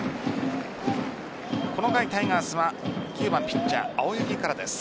この回、タイガースは９番ピッチャー・青柳からです。